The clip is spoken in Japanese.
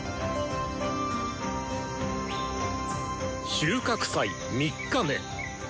収穫祭３日目！